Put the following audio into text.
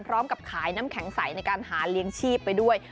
พร้อมกับขายน้ำแข็งใสในการหาเลี้ยงชีพไปด้วย